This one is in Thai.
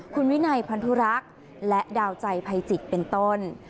คุณวินัยพันธุรักษ์และดาวใจภัยจิตเป็นต้น